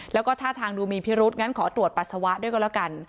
แล้วก็ท่าทางดูมีพิรุษงั้นขอตรวจปัสสาวะด้วยก็แล้วกัน